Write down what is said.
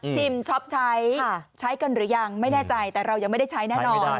ช็อปใช้ใช้กันหรือยังไม่แน่ใจแต่เรายังไม่ได้ใช้แน่นอน